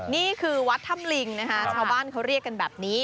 นี่คือวัดถ้ำลิงนะคะชาวบ้านเขาเรียกกันแบบนี้